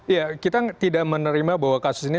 ya kita tidak menerima bahwa kasus ini